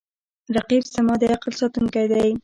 رقیب زما د عقل ساتونکی دی